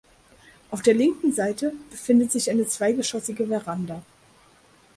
Auf der linken Seite befindet sich eine zweigeschossige Veranda.